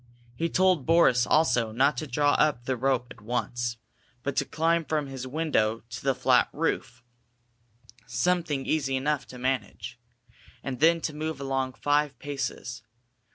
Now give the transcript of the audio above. He told Boris, also, not to draw up the rope at once, but to climb from his window to the flat roof, something easy enough to manage, and then to move along five paces.